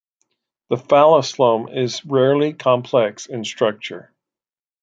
The phallosome is rarely complex in structure.